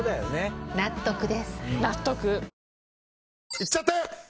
いっちゃって！